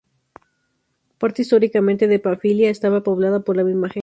Parte históricamente de Panfilia, estaba poblada por la misma gente.